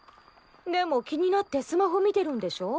でも気になってスマホ見てるんでしょ。